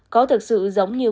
có thực sự giống như bò ốc